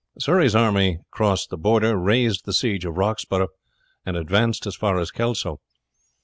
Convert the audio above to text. Surrey's army crossed the Border, raised the siege of Roxburgh, and advanced as far as Kelso.